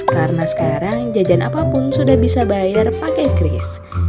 karena sekarang jajan apapun sudah bisa bayar pake kris